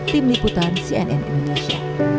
tim liputan cnn indonesia